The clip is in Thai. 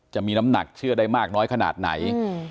จะมีน้ำหนักเชื่อได้มากน้อยขนาดไหน